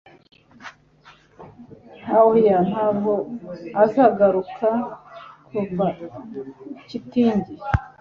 Nka Oya ntabwo azagaruka kuva kitingi